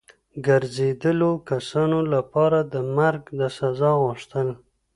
ګرځېدلو کسانو لپاره د مرګ د سزا غوښتل.